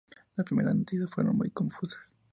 Las primeras noticias fueron muy confusas.